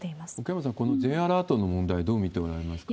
奥山さん、このＪアラートの問題はどう見ておられますか？